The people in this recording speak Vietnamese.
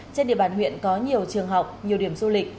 trên địa bàn huyện có nhiều trường học nhiều điểm du lịch